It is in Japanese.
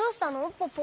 ポポ。